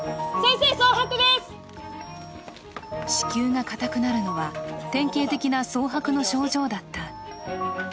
子宮がかたくなるのは典型的なソウハクの症状だった。